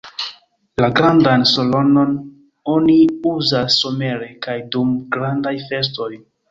La grandan salonon oni uzas somere kaj dum grandaj festoj.